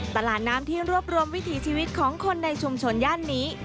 ตลาดน้ำที่รวบรวมวิถีชีวิตของคนในชุมชนย่านนี้